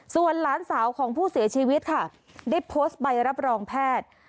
ส่วนหลานสาวของผู้เสียชีวิตค่ะได้โพสต์ใบรับรองแพทย์